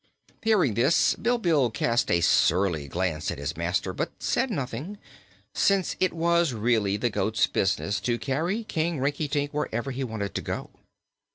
Hearing this, Bilbil cast a surly glance at his master but said nothing, since it was really the goat's business to carry King Rinkitink wherever he desired to go.